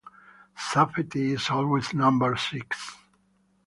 Safety is always number six.